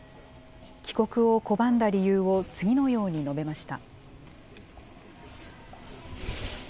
帰国を拒んだ理由を次のように述べました。